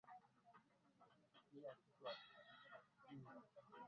eeh sijui wewe unafikiri kuwa hali ni sehemu ya utu wa mwanamke